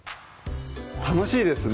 楽しいですね